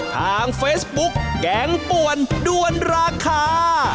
ทางเฟซบุ๊กแกงป่วนด้วนราคา